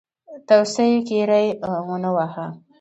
توصیو کې ری ونه واهه.